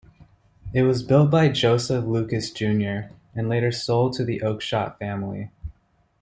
It was built by Joseph Lucas Junior, and later sold to the Oakshott family.